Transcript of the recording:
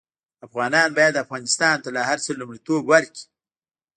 افغانان باید افغانستان ته له هر څه لومړيتوب ورکړي